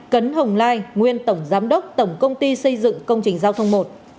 hai cấn hồng lai nguyên tổng giám đốc tổng công ty xây dựng công trình giao thông một